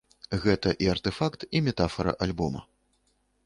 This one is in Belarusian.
Гэта і артэфакт, і метафара альбома.